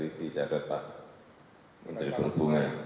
iya nanti dicatat pak menteri perhubungan